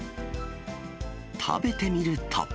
食べてみると。